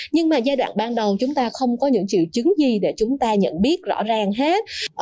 nhưng mà giai đoạn ban đầu chúng ta không có những triệu chứng gì để chúng ta nhận biết rõ ràng hết